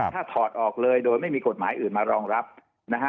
ถ้าถอดออกเลยโดยไม่มีกฎหมายอื่นมารองรับนะฮะ